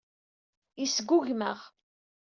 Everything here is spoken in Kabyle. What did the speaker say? Yesgugem-aɣ.